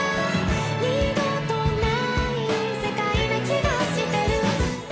「二度とない世界な気がしてる」